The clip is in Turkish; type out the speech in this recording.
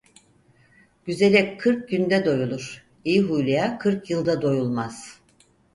Güzele kırk günde doyulur, iyi huyluya kırk yılda doyulmaz.